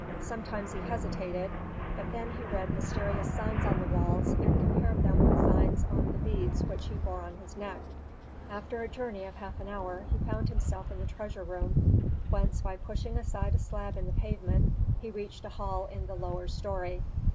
Sometimes he hesitated, but then he read mysterious signs on the walls and compared them with signs on the beads which he bore on his neck. After a journey of half an hour he found himself in the treasure room, whence by pushing aside a slab in the pavement he reached a hall in the lower story.